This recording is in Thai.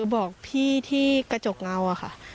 บอกพี่ที่กระจกเงาอะค่ะ